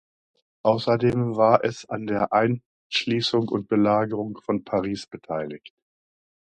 Außerdem war es an der Einschließung und Belagerung von Paris beteiligt.